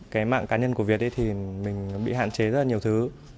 cái mạng cá nhân của việt thì mình bị hạn chế rất là nhiều thứ